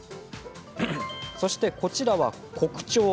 そして、こちらはコクチョウ。